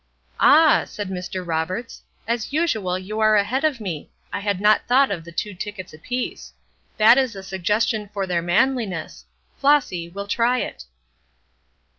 "Ah!" said Mr. Roberts, "as usual you are ahead of me. I had not thought of the two tickets apiece. That is a suggestion for their manliness. Flossy, we'll try it."